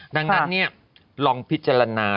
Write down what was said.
ดังนั้นเนี่ยลองพิจารณา